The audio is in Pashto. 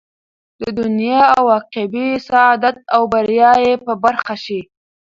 د دنيا او عقبى سعادت او بريا ئې په برخه شي